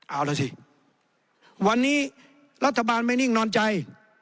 เอาล่ะสิวันนี้รัฐบาลไม่นิ่งนอนใจ